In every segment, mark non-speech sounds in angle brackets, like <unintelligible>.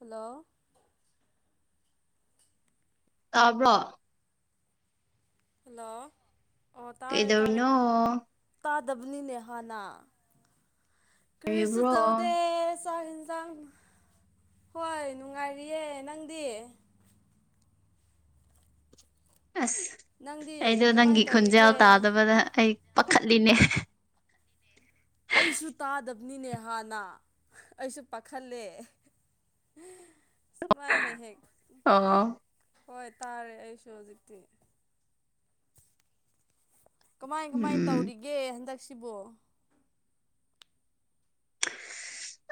hello ꯇꯥꯕ꯭ꯔꯣ hello ꯑꯣ ꯇꯥꯔꯦ ꯇꯥꯔꯦ ꯀꯩꯗꯧꯔꯤꯅꯣ ꯇꯥꯗꯕꯅꯤꯅꯦ ꯍꯥꯟꯅ ꯀꯔꯤꯁꯨ ꯀꯔꯤꯕ꯭ꯔꯣ ꯇꯧꯗꯦ ꯆꯥꯛ ꯌꯦꯟꯁꯥꯡ ꯍꯣꯏ ꯅꯨꯡꯉꯥꯏꯔꯤꯌꯦ ꯅꯪꯗꯤ ꯑꯁ ꯅꯪꯗꯤ ꯑꯩꯗꯣ ꯅꯪꯒꯤ ꯀꯃꯥꯏꯅ ꯈꯨꯣꯟꯖꯦꯜ ꯇꯧꯔꯤꯒꯦ ꯇꯥꯗꯕꯗ ꯑꯩ ꯄꯥꯈꯠꯂꯤꯅꯦ ꯑꯩꯁꯨ ꯇꯥꯗꯕꯅꯤꯅꯦ ꯍꯥꯟꯅ ꯑꯩꯁꯨ ꯄꯥꯈꯠꯂꯦ ꯁꯨꯃꯥꯏ ꯍꯦꯛ ꯍꯦꯛ ꯑꯣ ꯍꯣꯏ ꯇꯥꯔꯦ ꯑꯩꯁꯨ ꯍꯧꯖꯤꯛꯇꯤ ꯀꯃꯥꯏ ꯀꯃꯥꯏ ꯎꯝ ꯇꯧꯔꯤꯒꯦ ꯍꯟꯗꯛꯁꯤꯕꯣ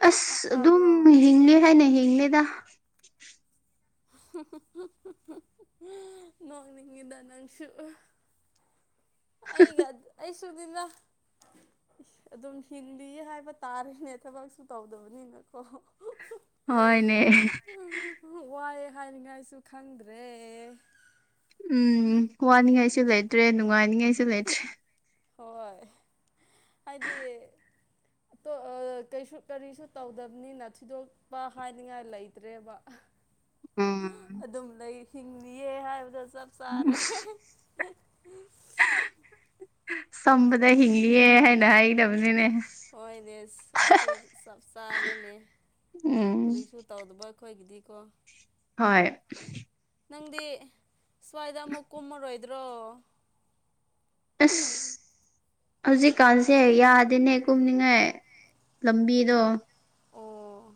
ꯑꯁ ꯑꯗꯨꯝ ꯇꯥꯕ꯭ꯔꯣ ꯍꯤꯡꯂꯤ ꯍꯥꯏꯅ ꯍꯤꯡꯂꯤꯗ ꯅꯣꯡꯅꯤꯡꯉꯤꯗ ꯅꯪꯁꯨ ꯑꯩꯒ ꯑꯩꯁꯨꯨ ꯑꯗꯨꯅꯤꯗ ꯑꯗꯨꯝ ꯍꯤꯡꯂꯤ ꯍꯥꯏꯕ ꯇꯥꯔꯦꯅꯦ ꯊꯕꯛꯁꯨ ꯇꯧꯗꯕꯅꯤꯅꯀꯣ ꯍꯣꯢꯅꯦ ꯎ ꯋꯥꯏꯑꯦ ꯍꯥꯏꯅꯤꯡꯉꯥꯏꯁꯨ ꯈꯪꯗ꯭ꯔꯦ ꯎꯝ ꯋꯥꯅꯤꯡꯉꯥꯏꯁꯨ ꯂꯩꯇ꯭ꯔꯦ ꯅꯨꯡꯉꯥꯏꯅꯤꯡꯉꯥꯏꯁꯨ ꯂꯩꯇ꯭ꯔꯦ ꯍꯣꯏ ꯑꯩꯗꯤ ꯀꯔꯤꯁꯨ ꯇꯧꯗꯕꯅꯤꯅ ꯊꯤꯗꯣꯛ ꯕꯥ ꯍꯥꯏꯅꯤꯡꯉꯥꯏ ꯂꯩꯇ꯭ꯔꯦꯕ ꯎꯝ ꯑꯗꯨꯝ ꯂꯩ ꯍꯤꯡꯂꯤꯌꯦ ꯍꯥꯏꯕꯗꯣ ꯆꯞ ꯆꯥꯔꯦ ꯎ <inaudible> ꯆꯝꯕꯗ ꯍꯤꯡꯂꯤꯌꯦ ꯍꯥꯏꯅ ꯍꯥꯏꯗꯕꯅꯤꯅꯦ ꯍꯣꯏꯅꯦ ꯑꯗꯨ ꯆꯥꯞ ꯆꯥꯔꯦꯅꯦ ꯎꯝ ꯀꯔꯤꯁꯨ ꯇꯧꯗꯕ ꯑꯩꯈꯣꯏꯒꯤꯗꯤꯀꯣ ꯍꯣꯏ ꯅꯪꯗꯤ ꯁ꯭ꯋꯥꯏꯗ ꯑꯃꯨꯛ ꯀꯨꯝꯃꯔꯣꯏꯗ꯭ꯔꯣ ꯑꯁ ꯍꯧꯖꯤꯛꯀꯥꯟꯁꯦ ꯌꯥꯗꯦꯅꯦ ꯀꯨꯝꯅꯤꯡꯉꯥꯏ ꯂꯝꯕꯤꯗꯣ ꯑꯣ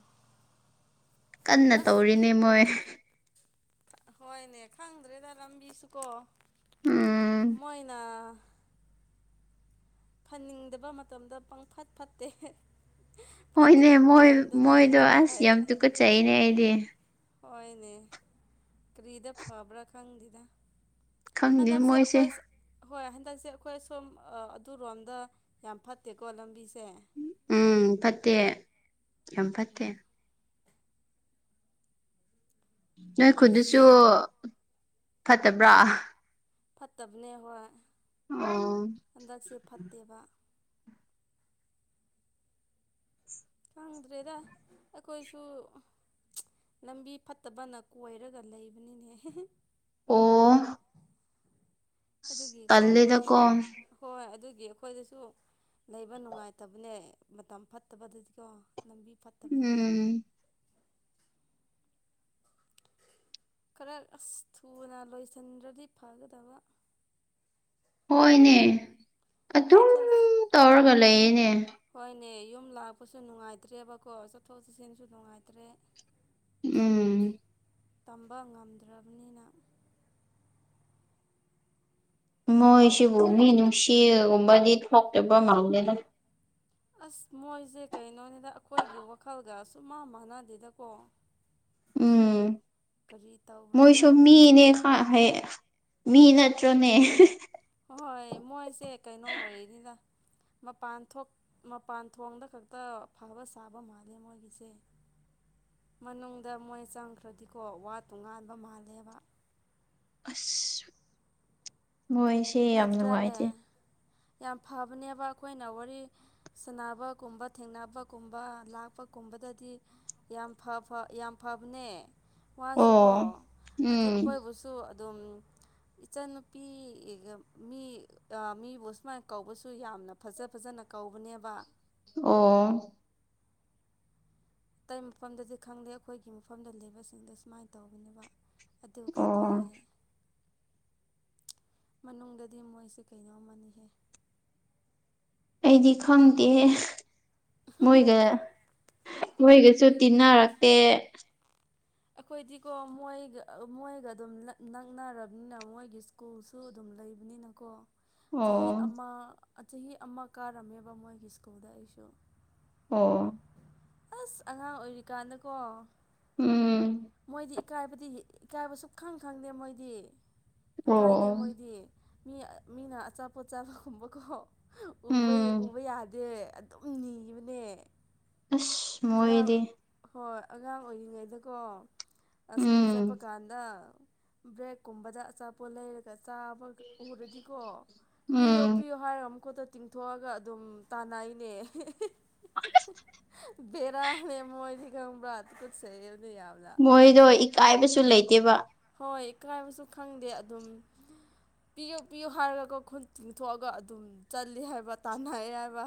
ꯀꯟꯅ ꯑꯁ ꯇꯧꯔꯤꯅꯦ ꯃꯣꯏ ꯍꯣꯏꯅꯦ ꯈꯪꯗ꯭ꯔꯦꯗ ꯂꯝꯕꯤꯁꯨꯀꯣ ꯎꯝ ꯃꯣꯏꯅ ꯐꯟꯅꯤꯡꯗꯕ ꯃꯇꯝꯗ ꯄꯪꯐꯠ ꯐꯠꯇꯦ ꯍꯣꯏꯅꯦ ꯐꯟꯅꯤꯡꯕ ꯃꯣꯏ ꯃꯇꯝꯗꯅ ꯃꯣꯏꯗꯣ ꯑꯗꯨꯝ ꯑꯁ ꯐꯩ ꯌꯥꯝ ꯇꯨꯀꯠꯆꯩꯅꯦ ꯑꯩꯗꯤ ꯍꯣꯏꯅꯦ ꯀꯔꯤꯗ ꯐꯕ꯭ꯔꯥ ꯈꯪꯗꯦꯗ ꯈꯪꯗꯦ ꯍꯟꯗꯛꯁꯦ ꯃꯣꯏꯁꯦ ꯑꯩꯈꯣꯏ ꯍꯣꯏ ꯍꯟꯗꯛꯁꯦ ꯑꯩꯈꯣꯏ ꯁꯣꯝ ꯑꯗꯨꯔꯣꯝꯗ ꯌꯥꯝ ꯐꯠꯇꯦꯀꯣ ꯂꯝꯕꯤꯁꯦ ꯎꯝ ꯐꯠꯇꯦ ꯌꯥꯝ ꯐꯠꯇꯦ ꯅꯣꯏ ꯑꯁ ꯈꯨꯟꯗꯨꯁꯨ ꯐꯠꯇꯕ꯭ꯔꯥ ꯐꯠꯇꯕꯅꯦ ꯍꯣꯏ ꯑꯣ ꯍꯟꯗꯛꯁꯦ ꯐꯠꯇꯦꯕ ꯈꯪꯗ꯭ꯔꯦꯗ ꯑꯩꯈꯣꯏꯁꯨ ꯂꯝꯕꯤ ꯐꯠꯇꯕꯅ ꯀꯣꯏꯔꯒ ꯂꯩꯕꯅꯤꯅꯦ ꯑꯣ ꯑꯗꯨꯒꯤꯀꯣ ꯇꯜꯂꯦꯗꯀꯣ ꯑꯩꯈꯣꯏꯁꯨ ꯍꯣꯏ ꯑꯗꯨꯒꯤ ꯑꯩꯈꯣꯏꯗꯁꯨ ꯂꯩꯕ ꯅꯨꯡꯉꯥꯏꯇꯕꯅꯦ ꯃꯇꯝ ꯐꯠꯇꯕ ꯑꯗꯨꯗꯤꯀꯣ ꯂꯝꯕꯤ ꯐꯠꯇꯕꯅꯤꯅ ꯎꯝ ꯈꯔ ꯑꯁ ꯊꯨꯅ ꯂꯣꯏꯁꯤꯟꯈꯔ꯭ꯗꯤ ꯐꯒꯗꯧꯕ ꯍꯣꯏꯅꯦ ꯑꯗꯨꯝ ꯆꯠꯊꯣꯛ ꯇꯧꯔꯒ ꯂꯩꯌꯦꯅꯦ ꯍꯣꯏꯅꯦ ꯌꯨꯝ ꯂꯥꯛꯄꯁꯨ ꯅꯨꯡꯉꯥꯏꯇ꯭ꯔꯦꯕꯀꯣ ꯆꯠꯊꯣꯛ ꯆꯠꯁꯤꯟꯁꯨ ꯅꯨꯡꯉꯥꯏꯇ꯭ꯔꯦ ꯎꯝ ꯇꯝꯕ ꯉꯝꯗ꯭ꯔꯕꯅꯤꯅ ꯃꯣꯏꯁꯤꯕꯨ ꯃꯤ ꯅꯨꯡꯁꯤꯒꯨꯝꯕꯗꯤ ꯊꯣꯛꯇꯕ ꯃꯗꯦꯗ ꯑꯁ ꯃꯣꯏꯁꯦ ꯀꯩꯅꯣꯅꯤꯗ ꯑꯩꯈꯣꯏꯒꯤ ꯋꯥꯈꯜꯒ ꯁꯨꯡꯃꯥꯟ ꯃꯥꯟꯅꯗꯦꯗꯀꯣ <unintelligible> <inaudible> ꯎꯝ ꯀꯔꯤ ꯇꯥꯎ ꯃꯣꯏꯁꯨ ꯃꯤꯅꯦ ꯃꯤ ꯅꯠꯇ꯭ꯔꯣꯅꯦ ꯍꯣꯏ ꯃꯣꯏꯁꯦ ꯀꯩꯅꯣ ꯑꯣꯏꯅꯤꯅ ꯃꯄꯥꯟ ꯊꯣꯛ ꯃꯄꯥꯟ ꯊꯣꯡꯗ ꯈꯛꯇ ꯐꯕ ꯁꯥꯕ ꯃꯥꯜꯂꯦ ꯃꯣꯏꯒꯤꯁꯦ ꯃꯅꯨꯡꯗ ꯃꯣꯏ ꯆꯪꯈ꯭ꯔꯗꯤꯀꯣ ꯋꯥ ꯇꯣꯉꯥꯟꯕ ꯃꯥꯜꯂꯦꯕ ꯑꯁ ꯃꫭꯏꯁ‌ꯦ ꯅꯠꯇ꯭ꯔꯥꯅꯦ ꯌꯥꯝ ꯐꯕꯅꯦꯕ ꯑꯩꯈꯣꯏꯅ ꯋꯥꯔꯤ ꯁꯥꯟꯅꯕꯒꯨꯝꯕ ꯊꯦꯡꯅꯕꯒꯨꯝꯕ ꯂꯥꯛꯄꯒꯨꯝꯕꯗꯗꯤ ꯌꯥꯝ ꯐꯥ ꯌꯥꯝ ꯐꯕꯅꯦ ꯃꯥꯁꯨꯀꯣ ꯑꯣ ꯑꯗꯨ ꯎꯝ ꯑꯩꯈꯣꯏꯕꯨꯁꯨ ꯁꯨ ꯑꯗꯨꯝ ꯏꯆꯟꯅꯨꯄꯤ ꯃꯤ ꯃꯤꯕꯨ ꯑꯁꯨꯃꯥꯏꯅ ꯀꯧꯕꯁꯨ ꯌꯥꯝꯅ ꯐꯖ ꯐꯖꯅ ꯀꯧꯕꯅꯦꯕ ꯑꯣ ꯑꯇꯩ ꯃꯐꯝꯗꯗꯤ ꯈꯪꯂꯦ ꯑꯩꯈꯣꯏꯒꯤ ꯃꯐꯝꯗ ꯂꯩꯕꯁꯤꯡꯗ ꯁꯨꯃꯥꯏꯅ ꯇꯧꯕꯅ‌ꯦꯕ ꯑꯗꯨꯒꯗꯤ ꯑꯣ ꯃꯅꯨꯡꯗꯗꯤ ꯃꯣꯏꯁꯦ ꯀꯩꯅꯣꯝ ꯑꯃꯅꯤꯍꯦ ꯑꯩꯗꯤ ꯈꯪꯗꯦ ꯃꯣꯏꯒ ꯃꯣꯏꯒ ꯁꯨ ꯇꯤꯟꯅꯔꯛꯇꯦ ꯑꯩꯈꯣꯏꯗꯤꯀꯣ ꯃꯣꯏꯒ ꯃꯣꯏꯒ ꯑꯗꯨꯝ ꯅꯛꯅꯔꯕꯅꯤꯅ ꯃꯣꯏꯒꯤ ꯏꯁ꯭ꯀꯨꯜꯁꯨ ꯑꯗꯨꯝ ꯂꯩꯕꯅꯤꯅꯀꯣ ꯆꯍꯤ ꯑꯣ ꯑꯃ ꯆꯍꯤ ꯑꯃ ꯀꯥꯔꯝꯃꯦꯕ ꯃꯣꯏꯒꯤ ꯏꯁ꯭ꯀꯨꯜꯗ ꯑꯩꯁꯨ ꯑꯣ ꯑꯁ ꯑꯉꯥꯡ ꯑꯣꯏꯔꯤꯀꯥꯟꯗꯀꯣ ꯎꯝ ꯃꯣꯏꯗꯤ ꯏꯀꯥꯏꯕꯗꯤ ꯏꯀꯥꯏꯕ ꯁꯨꯡ ꯈꯪ ꯈꯪꯗꯦ ꯃꯣꯏꯗꯤ ꯏꯀꯥꯏꯗꯦ ꯑꯣ ꯃꯣꯏꯗꯤ ꯃꯤ ꯃꯤꯅ ꯑꯆꯥꯄꯣꯠ ꯆꯥꯕꯒꯨꯝꯕꯀꯣꯕ ꯎꯝ ꯎꯕ ꯌꯥꯗꯦ ꯑꯗꯨꯝ ꯅꯤꯕꯅꯦ ꯑꯁ ꯑꯉꯥꯡ ꯃꯣꯏꯗꯤ ꯍꯣꯏ ꯑꯉꯥꯡ ꯑꯣꯏꯔꯤꯉꯩꯗꯀꯣ ꯏꯁ꯭ꯀꯨꯜ ꯆꯠꯄ ꯎꯝ ꯀꯥꯟꯗ ꯕ꯭ꯔꯦꯛꯀꯨꯝꯕꯗ ꯑꯥꯆꯄ ꯄꯣꯠ ꯂꯩꯔꯒ ꯆꯥꯕ ꯎꯔꯗꯤꯀꯣ ꯄꯤꯌꯣ ꯎꯝ ꯄꯤꯌꯣ ꯍꯥꯏꯔꯒ ꯃꯈꯨꯠꯇꫭ ꯇꯤꯡꯊꯣꯛꯑꯒ ꯑꯗꯨꯝ ꯇꯥꯟꯅꯩꯅꯦ ꯕ‌ꯦꯔꯥꯅ‌ꯦ ꯃꯣꯏꯗꯤ ꯈꯪꯕ꯭ꯔꯥ ꯊꯨꯀꯨꯠꯆꯩ ꯑꯩꯗꯤ ꯌꯥꯝꯅꯥ ꯃꯣꯏꯗꯣ ꯏꯀꯥꯏꯕꯁꯨ ꯂꯩꯇꯦꯕ ꯍꯣꯏ ꯏꯀꯥꯏꯕꯁꯨ ꯈꯪꯗꯦ ꯑꯗꯨꯝ ꯄꯤꯌꯨ ꯄꯤꯌꯨ ꯍꯥꯏꯔꯒ ꯈꯨꯟ ꯇꯤꯡꯊꯣꯛꯑꯒ ꯑꯗꯨꯝ ꯆꯠꯂ ꯍꯥꯏꯕ ꯇꯥꯟꯅꯩꯌ‌ꯦ ꯍꯥꯏꯕ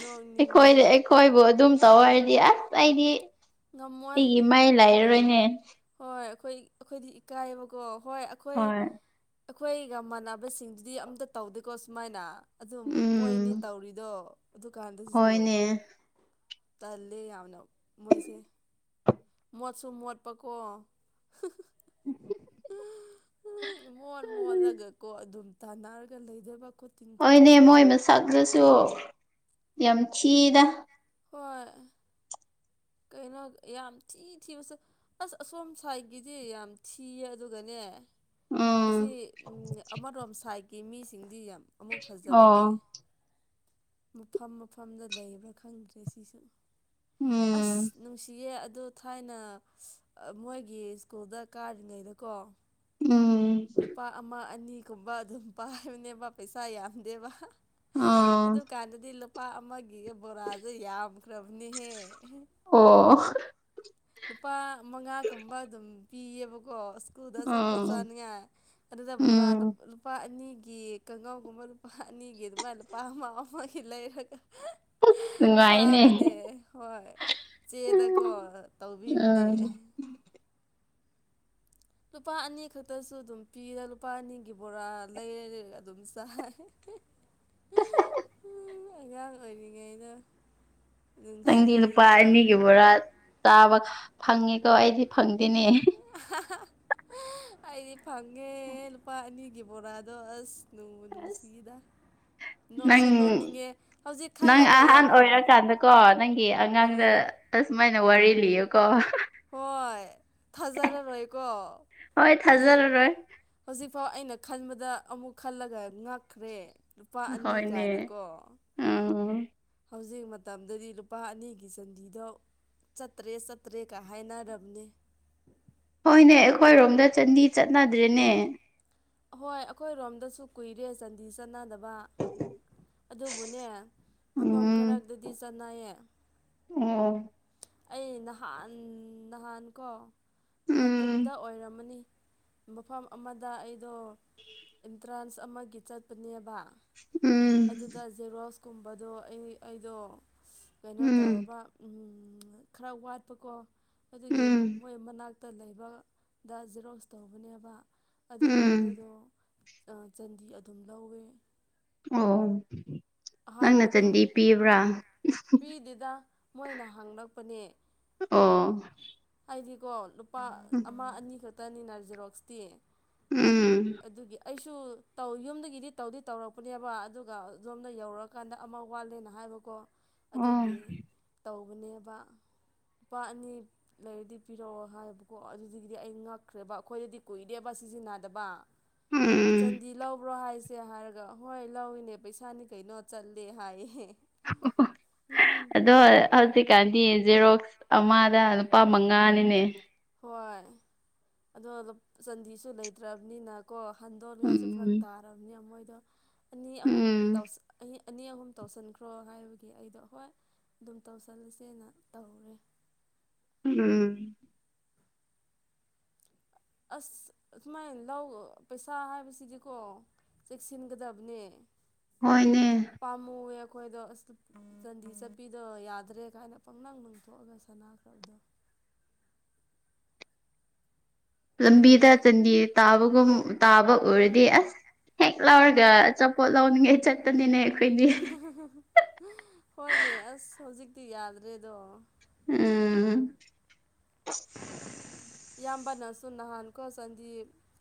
ꯅꯣꯛꯅꯤꯡꯉꯦ ꯑꯩꯈꯣꯏꯗ ꯑꯩꯈꯣꯏꯕꯨ ꯑꯗꯨꯝ ꯇꯧ ꯍꯥꯏꯔꯗꯤ ꯑꯁ ꯑꯩꯗꯤ ꯉꯝꯃꯣꯏ ꯑꯩꯒꯤ ꯃꯥꯏ ꯂꯩꯔꯔꯣꯏꯅꯦ ꯍꯣꯏ ꯑꯩꯈꯣꯏ ꯑꯩꯈꯣꯏꯗꯤ ꯏꯀꯥꯏꯕꯀꯣ ꯍꯣꯏ ꯑꯩꯈꯣꯏ ꯍꯣꯏ ꯑꯩꯈꯣꯏꯒꯃꯥꯟꯅꯕꯁꯤꯡꯗꯨꯗꯤ ꯑꯝꯇ ꯇꯧꯗꯦꯀꯣ ꯑꯁꯨꯃꯥꯏꯅ ꯑꯗꯨ ꯃꯣꯏꯅꯤ ꯎꯝ ꯇꯧꯔꯤꯗꯣ ꯗꯨꯀꯥꯟꯗꯁꯨ ꯍꯣꯏꯅꯦ ꯇꯜꯂꯦ ꯌꯥꯝꯅ ꯃꯣꯏꯁꯦ ꯃꯣꯠꯁꯨ ꯃꯣꯠꯄꯀꯣ ꯏꯃꫭꯠ ꯃꯣꯠꯂꯒꯀꯣ ꯑꯗꯨꯝ ꯇꯥꯟꯅꯔꯒ ꯂꯩꯗꯕꯣꯠ <unintelligible> ꯍꯣꯏꯅꯦ ꯃꯣꯏ ꯃꯁꯛꯗꯨꯁꯨ ꯌꯥꯝ ꯊꯤꯗ ꯍꯣꯏ ꯀꯩꯅꯣ ꯌꯥꯝ ꯊꯤ ꯊꯤꯕꯁꯨ ꯑꯁ ꯑꯁꯣꯝ ꯁꯥꯏꯠꯒꯤꯗꯤ ꯌꯥꯝ ꯊꯤꯌꯦ ꯑꯗꯨꯒꯅꯦ ꯑꯁꯤ ꯎꯝ ꯑꯃꯔꯣꯝ ꯁꯥꯏꯠꯀꯤ ꯃꯤꯁꯤꯡꯗꯤ ꯌꯥꯝ ꯑꯃꯨꯛ ꯐꯖꯕꯅꯦ ꯑꯣ ꯃꯐꯝ ꯃꯐꯝꯗ ꯂꯩꯕ꯭ꯔꯥ ꯈꯪꯗ꯭ꯔꯦ ꯁꯤꯁꯨ ꯑꯁ ꯎꯝ ꯅꯨꯡꯁꯤꯌꯦ ꯑꯗꯣ ꯊꯥꯏꯅ ꯃꯣꯏꯒꯤ ꯏꯁ꯭ꯀꯨꯜꯗ ꯀꯥꯔꯤꯉꯩꯗꯀꯣ ꯎꯝ ꯂꯨꯄꯥ ꯑꯃ ꯑꯅꯤꯒꯨꯝꯕ ꯑꯗꯨꯝ ꯄꯥꯏꯕꯅꯦꯕ ꯄꯩꯁꯥ ꯌꯥꯝꯗꯦꯕ ꯑ ꯑꯗꯨꯀꯥꯟꯗꯗꯤ ꯂꯨꯄꯥ ꯑꯃꯒꯤꯒ ꯕꯣꯔꯥꯁꯦ ꯌꯥꯝꯈ꯭ꯔꯕꯅꯤꯍꯦ ꯑꯣ ꯂꯨꯄꯥ ꯃꯉꯥꯒꯨꯝꯕ ꯑꯗꯨꯝ ꯄꯤꯌꯦꯕꯀꯣ ꯑꯁ ꯏꯁ꯭ꯀꯨꯜꯗ ꯑꯆꯥꯄꫭꯠ ꯎꯝ ꯆꯅꯤꯡꯉꯥꯏ ꯑꯗꯨꯗ ꯕꫭꯔꯥ ꯎꯝ ꯂꯨꯄꯥ ꯑꯅꯤꯒꯤ ꯀꯥꯡꯉꯥꯎꯒꯨꯝꯕ ꯂꯨꯄꯥ ꯑꯅꯤꯒꯤ ꯑꯗꯨꯃꯥꯏꯅ ꯂꯨꯄꯥ ꯑꯃ ꯑꯃꯒꯤ ꯂꯩꯔꯒ ꯅꯨꯡꯉꯥꯏꯅꯦ ꯆꯥꯕꯅꯦ ꯍꯣꯏ ꯆꯦꯗꯀꯣ ꯇꯧꯕꯤꯕꯅꯦ ꯎꯝ ꯂꯨꯄꯥ ꯑꯅꯤ ꯈꯛꯇꯁꯨ ꯑꯗꯨꯝ ꯄꯤꯔ ꯂꯨꯄꯥ ꯑꯅꯤꯒꯤ ꯕꯣꯔꯥ ꯂꯩꯔ ꯂꯩ ꯑꯗꯨꯝ ꯆꯥꯏ ꯑꯉꯥꯡ ꯑꯣꯏꯔꯤꯉꯩꯗ ꯅꯪꯗꯤ ꯂꯨꯄꯥ ꯅꯨꯡꯁꯤꯅꯦ ꯑꯅꯤꯒꯤ ꯕꯣꯔꯥ ꯆꯥꯕ ꯐꯪꯉꯦꯀꯣ ꯑꯩꯗꯤ ꯐꯪꯗꯦꯅꯦ ꯑꯩꯗꯤ ꯐꯪꯉꯦ ꯂꯨꯄꯥ ꯑꯅꯤꯒꯤ ꯕꯣꯔꯥ ꯗꫭ ꯑꯁ ꯅꯨꯡꯕꯨ ꯑꯁ ꯅꯨꯡꯁꯤꯗ ꯅꯪ ꯅꯣꯛꯁꯨ ꯅꯣꯛꯅꯤꯡꯉꯦ ꯍꯧꯖꯤꯛ ꯅꯪ ꯈꯜꯂꯒ ꯑꯍꯥꯟ ꯌꯥꯝ ꯑꯣꯏꯔꯀꯥꯟꯗꯀꯣ ꯅꯪꯒꯤ ꯑꯉꯥꯡꯗꯥ ꯎꯝ ꯑꯁꯨꯃꯥꯏꯅ ꯋꯥꯔꯤ ꯂꯤꯌꯦꯀꯣ ꯍꯣꯏ ꯊꯥꯖꯥꯔꯔꫭꯏꯀꯣ ꯍꯣꯏ ꯍꯧꯖꯤꯛ ꯊꯥꯖꯔꯔꯣꯏ ꯍꯧꯖꯤꯛꯐꯥꯎ ꯑꯩꯅ ꯈꯟꯕꯗ ꯑꯃꯨꯛ ꯈꯜꯂꯒ ꯉꯛꯈ꯭ꯔꯦ ꯂꯨꯄꯥ ꯑꯅꯤ ꯍꯣꯏꯅꯦ ꯀꯥꯏꯅꯀꯣ ꯎꯝ ꯍꯧꯖꯤꯛ ꯃꯇꯝꯗꯗꯤ ꯂꯨꯄꯥ ꯑꯅꯤꯒꯤ ꯆꯥꯟꯗꯤꯗꯣ ꯆꯠꯇ꯭ꯔꯦ ꯆꯠꯇ꯭ꯔꯦꯒ ꯍꯥꯏꯅꯔꯕꯅꯦ ꯍꯣꯏꯅꯦ ꯑꯩꯈꯣꯏꯔꯣꯝꯗ ꯆꯥꯟꯗꯤ ꯆꯠꯅꯗ꯭ꯔꯦꯅꯦ ꯍꯣꯏ ꯑꯩꯈꯣꯏꯔꯣꯝꯗꯁꯨ ꯀꯨꯏꯔꯦ ꯆꯥꯟꯗꯤ ꯆꯠꯅꯗꯕ ꯑꯗꯨꯕꯨꯅꯦ ꯃꯐꯝ ꯎꯝ ꯈꯔꯗꯗꯤ ꯆꯠꯅꯩꯌꯦ ꯑꯣ ꯑꯩ ꯅꯍꯥꯟ ꯅꯍꯥꯟ ꯀꯣ ꯎꯝ ꯍꯀꯨꯝꯨꯝꯗ ꯑꯣꯏꯔꯝꯃꯅꯤ ꯃꯐꯝ ꯑꯃꯗ ꯑꯩꯗꯣ ꯑꯦꯟꯇ꯭ꯔꯥꯟꯁ ꯑꯃꯒꯤ ꯆꯠꯄꯅꯦꯕ ꯎꯝ ꯑꯗꯨꯗ ꯖꯦꯔꯣꯁꯀꯨꯝꯕꯗꯣ ꯑꯩ ꯑꯩꯗꯣ ꯀꯩꯅꯣ ꯎꯝ ꯇꯧꯔꯕ ꯎꯝ ꯈꯔ ꯋꯥꯠꯄꯀꯣ ꯑꯗꯨꯒꯤ ꯎꯝ ꯃꯣꯏ ꯃꯅꯥꯛꯇ ꯂꯩꯕꯗ ꯖꯦꯔꯣꯁ ꯇꯧꯕꯅꯦꯕ ꯑꯗꯨꯒ ꯎꯝ ꯃꯣꯏꯗꯣ ꯑꯥ ꯆꯥꯟꯗꯤ ꯑꯗꯨꯝ ꯂꯧꯋ‌ꯦ ꯑꯣ ꯅꯪꯅ ꯑꯍꯥꯟꯕꯅꯦ ꯆꯟꯗꯤ ꯄꯤꯕ꯭ꯔꯥ ꯄꯤꯗꯦꯗ ꯃꯣꯏꯅ ꯍꯪꯂꯛꯄꯅꯦ ꯑꯣ ꯍꯥꯏꯗꯤꯀꯣ ꯂꯨꯄꯥ ꯑꯃ ꯑꯅꯤ ꯈꯛꯇꯅꯤꯅ ꯖꯦꯔꯣꯛꯁꯇꯤ ꯎꯝ ꯑꯗꯨꯒꯤ ꯑꯩꯁꯨ ꯇꯧ ꯌꯨꯝꯗꯒꯤꯗꯤ ꯇꯧꯗꯤ ꯇꯧꯔꯛꯄꯅꯦꯕꯥ ꯑꯗꯨꯒ ꯑꯗꯣꯝꯗ ꯌꯧꯔꯥꯀꯥꯟꯗ ꯑꯃ ꯋꯥꯠꯂꯦꯅ ꯍꯥꯏꯕꯀꯣ ꯑꯣ ꯑꯗꯨꯒꯤ ꯇꯧꯕꯅꯦꯕ ꯂꯨꯄꯥ ꯑꯅꯤ ꯂꯩꯔꯗꯤ ꯄꯤꯔꯛꯑꯣ ꯍꯥꯏꯕꯀꯣ ꯑꯗꯨꯗꯒꯤꯗꯤ ꯑꯩ ꯉꯛꯈ꯭ꯔꯦꯕ ꯑꯩꯈꯣꯏꯗꯗꯤ ꯀꯨꯏꯗꯦꯕ ꯁꯤꯖꯤꯟꯅꯗꯕ ꯎꯝ ꯆꯟꯗꯤ ꯂꯧꯕ꯭ꯔꯣ ꯍꯥꯏꯁꯦ ꯍꯥꯏꯔꯒ ꯍꯣꯏ ꯂꯧꯏ ꯄꯩꯁꯥꯅꯤ ꯀꯩꯅꯣ ꯆꯠꯂꯦ ꯍꯥꯏꯌꯦ ꯑꯗꯣ ꯍꯧꯖꯤꯛꯀꯥꯟꯗꯤ ꯖꯦꯔꯣꯛꯁ ꯑꯃꯗ ꯅꯨꯄꯥ ꯃꯉꯥꯅꯤꯅꯦ ꯍꯣꯏ ꯑꯗꯣ ꯂꯨꯞ ꯆꯟꯗꯤꯁꯨ ꯂꯩꯇ꯭ꯔꯝꯅꯤꯅ ꯀꯣ ꯍꯟꯗꯣꯛꯅꯤꯉꯥꯏꯁꯨ ꯐꯔꯛ ꯎꯝ ꯇꯥꯔꯝꯅꯤꯅ ꯃꯣꯏꯗꯣ ꯑꯅꯤ ꯑꯍꯨꯝ ꯎꯝ ꯇꯧꯁꯟ ꯑꯅꯤ ꯑꯍꯨꯝ ꯇꯧꯁꯟꯈ꯭ꯔꯣ ꯍꯥꯏꯕꯒꯤ ꯑꯩꯗꯣ ꯍꯣꯏ ꯑꯗꯨꯝ ꯇꯧꯁꯜꯂꯁꯦꯅ ꯇꯧꯔꯦ ꯎꯝ ꯑꯁ ꯑꯗꯨꯃꯥꯏꯅ ꯂꯧ ꯄꯩꯁꯥ ꯍꯥꯏꯕꯁꯤꯗꯤꯀꯣ ꯆꯦꯛꯁꯤꯟꯒꯗꯕꯥꯅꯦ ꯍꯣꯏꯅꯦ ꯄꯥꯝꯃꯨꯌꯦ ꯑꯩꯈꯣꯏꯗꯣ ꯑꯁ ꯆꯟꯗꯤ ꯆꯠꯄꯤꯗꯣ ꯌꯥꯗ꯭ꯔꯦ ꯀꯥꯏꯅ ꯄꯪꯂꯪ ꯂꯪꯊꯣꯛ ꯑꯒ ꯁꯅꯥ ꯈꯪ ꯗꯦ ꯃꯤ ꯂꯝꯕꯤꯗ ꯃꯌꯦꯛ ꯆꯟꯗꯤ ꯇꯥꯕꯒꯨꯝ ꯇꯥꯕ ꯎꯔꯥꯗꯤ ꯎꯝ ꯑꯁ ꯍꯦꯛ ꯂꯧꯔꯒ ꯑꯆꯥꯄꯣꯠ ꯂꯧꯅꯤꯡꯉꯥꯏ ꯆꯠꯄꯅꯤꯅꯦ ꯑꯩꯈꯣꯏꯗꯤ ꯍ ꯍ ꯍ ꯍꯣꯏꯅꯦ ꯑꯁ ꯍꯧꯖꯤꯛꯇꯤ ꯌꯥꯗ꯭ꯔꯦꯗꯣ ꯎꯝ <inaudible> ꯏꯌꯥꯝꯕꯅꯁꯨ ꯅꯍꯥꯟꯀꯣ ꯆꯥꯟꯗꯤ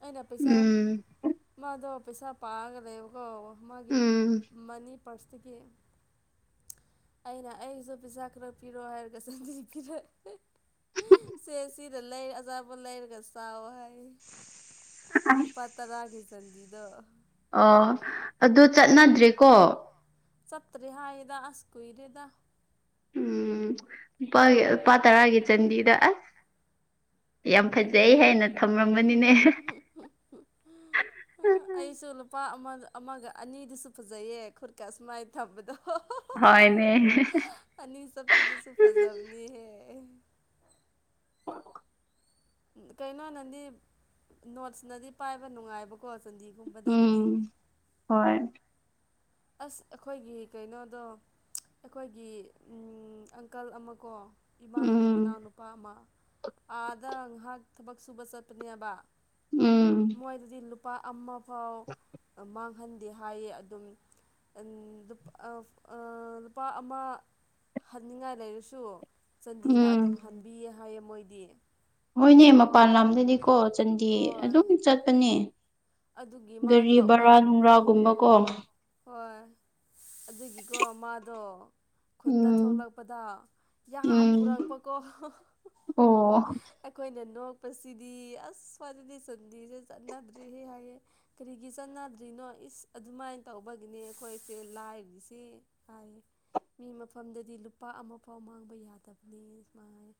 ꯑꯩꯅ ꯄꯩꯁꯥ ꯎꯝ ꯃꯥꯗꯣ ꯄꯩꯁꯥ ꯄꯥꯔꯥꯒ ꯂꯩꯕꯀꯣ ꯃꯥꯒꯤ ꯎꯝ ꯃꯅꯤ ꯄꯥ꯭ꯔꯁ ꯇꯒꯤ ꯑꯩꯅ ꯑꯩꯒꯤꯁꯨ ꯄꯩꯁꯥ ꯈꯔ ꯄꯤꯔꯛꯑꯣ ꯍꯥꯏꯔꯒ ꯆꯟꯅꯤ ꯄꯤꯔꯛ ꯑꯦ ꯁꯦ ꯁꯤꯗ ꯂꯩ ꯑꯆꯥꯥꯄꯣꯠ ꯂꯩꯔꯒ ꯇꯥꯎꯍꯥꯏ ꯅꯨꯄꯥ ꯇꯔꯥꯒꯤ ꯆꯟꯗꯤꯗꯣ ꯑꯣ ꯑꯗꯨ ꯆꯠꯅꯗ꯭ꯔꯦꯀꯣ ꯁꯠꯇ꯭ꯔꯦ ꯍꯥꯏꯌꯦꯗ ꯑꯁ ꯀꯨꯏꯔꯦꯗ ꯎꯝ ꯂꯨꯄꯥꯒꯤ ꯂꯨꯄꯥ ꯇꯔꯥꯒꯤ ꯆꯟꯗꯤꯗ ꯑꯁ ꯌꯥꯝ ꯐꯖꯩ ꯍꯥꯏꯅ ꯊꯝꯔꯥꯝꯕꯅꯤꯅꯦ <inaudible> ꯎ ꯑꯩꯁꯨ ꯂꯨꯄꯥ ꯑꯃ ꯑꯃꯒ ꯑꯅꯤꯗꯨꯁꯨ ꯐꯖꯩꯌꯦ ꯈꯨꯠꯀꯥ ꯑꯁꯨꯃꯥꯏꯅ ꯊꯝꯕꯗꯣ ꯍꯣꯏꯅꯦ ꯑꯅꯤ ꯆꯠꯄꯤꯗꯨꯁꯨ ꯐꯖꯕꯅꯤꯍꯦ ꯀꯩꯅꯣꯅꯗꯤ ꯅꯣꯠꯁꯅꯗꯤ ꯄꯥꯏꯕ ꯅꯨꯡꯉꯥꯏꯕꯀꯣ ꯆꯟꯗꯤꯒꯨꯝꯕꯗꯒꯤꯗꯤ ꯎꯝ ꯍꯣꯏ ꯑꯁ ꯑꯩꯈꯣꯏꯒꯤ ꯀꯩꯅꯣꯗꯣ ꯑꯩꯈꯣꯏꯒꯤ ꯑꯪꯀꯜ ꯑꯃꯀꯣ ꯏꯃꯥꯒꯤ ꯎꯝ ꯃꯅꯥꯎꯅꯨꯄꯥ ꯑꯃ ꯑꯥꯗ ꯉꯥꯏꯍꯥꯛ ꯊꯕꯛ ꯁꯨꯕ ꯆꯠꯄꯅꯦꯕ ꯎꯝ ꯃꯣꯏꯗꯗꯤ ꯂꯨꯄꯥ ꯑꯃ ꯐꯥꯎ ꯃꯥꯡꯍꯟꯗꯦ ꯍꯥꯏꯌꯦ ꯑꯗꯨꯝ ꯂꯨꯄꯥ ꯑꯃ ꯍꯟꯅꯤꯡꯉꯥꯏ ꯂꯩꯔꯁꯨ ꯆꯟꯗꯤꯅ ꯎꯝ ꯑꯗꯨꯝ ꯍꯟꯕꯤꯌꯦ ꯍꯥꯏꯌꯦ ꯃꯣꯏꯗꯤ ꯍꯣꯏꯅꯦ ꯃꯄꯥꯟ ꯂꯝꯗꯗꯤꯀꯣ ꯆꯥꯟꯗꯤ ꯍꯣꯏ ꯑꯗꯨꯝ ꯆꯠꯄꯅꯦ ꯑꯗꯨꯒꯤ ꯃꯥꯗꯣ ꯒꯥꯔꯤ ꯕꯔꯥ ꯑꯩꯈꯣꯏꯗ ꯅꯨꯡꯔꯥꯒꯨꯝꯕ ꯀꯣ ꯍꯣꯏ ꯑꯗꯨꯒꯤꯀꯣ ꯃꯥꯗꯣ ꯈꯨꯟꯇ ꯎꯝ ꯊꯣꯛꯂꯛꯄꯇꯥ ꯌꯥꯝ ꯎꯝ ꯄꯨꯔꯛꯄꯀꯣ ꯑꯣ ꯑꯩꯈꯣꯏꯅ ꯅꯣꯛꯄꯁꯤꯗꯤ ꯑꯁ ꯁ꯭ꯋꯥꯏꯗꯗꯤ ꯁꯨꯟꯇꯤꯁꯦ ꯆꯠꯅꯗ꯭ꯔꯤꯍꯦ ꯍꯥꯏꯌꯦ ꯀꯤꯔꯤꯒꯤ ꯆꯠꯅꯗ꯭ꯔꯤꯅꯣ ꯏꯁ ꯑꯗꯨꯃꯥꯏꯟ ꯇꯧꯕꯒꯤꯅꯤ ꯑꯩꯈꯣꯏꯁꯦ ꯂꯥꯏꯁꯤ ꯐꯥꯏ ꯃꯤ ꯃꯐꯝꯗꯗꯤ ꯂꯨꯄꯥ ꯑꯃꯐꯥꯎ ꯃꯥꯡꯕ ꯌꯥꯗꯕꯅꯤ ꯁꯨ <unintelligible>